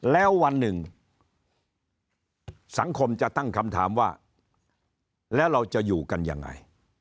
แล้ววันหนึ่งสังคมจะตั้งคำถามว่าแล้วเราจะอยู่กันยังไง